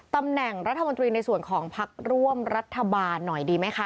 ตำแหน่งรัฐมนตรีในส่วนของพักร่วมรัฐบาลหน่อยดีไหมคะ